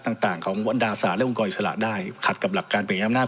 ต่างต่างของบรรดาศาสตร์และองค์กรอิสระได้ขัดกับหลักการเปลี่ยนอำนาจ